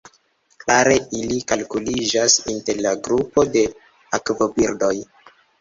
Klare ili kalkuliĝas inter la grupo de akvobirdoj.